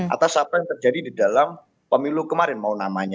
atas apa yang terjadi di dalam pemilu kemarin mau namanya